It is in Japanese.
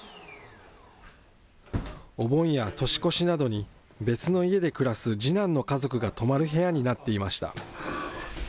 お盆や年越しなどに別の家で暮らす次男の家族が泊まる部屋になっいいか？